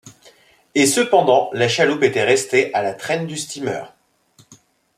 Et cependant la chaloupe était restée à la traîne du steamer!